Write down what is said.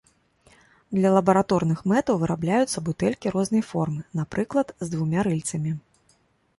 Для лабараторных мэтаў вырабляюцца бутэлькі рознай формы, напрыклад, з двума рыльцамі.